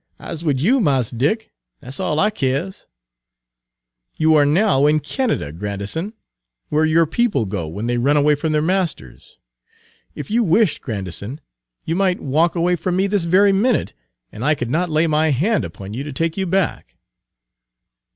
"I 's wid you, Mars Dick; dat's all I keers." "You are now in Canada, Grandison, where your people go when they run away from Page 191 their masters. If you wished, Grandison, you might walk away from me this very minute, and I could not lay my hand upon you to take you back."